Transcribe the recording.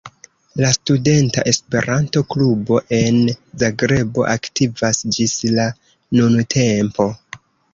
La Studenta Esperanto-Klubo en Zagrebo aktivas ĝis la nuntempo.